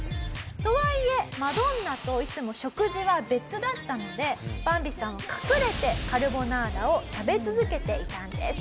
とはいえマドンナといつも食事は別だったのでバンビさんは隠れてカルボナーラを食べ続けていたんです。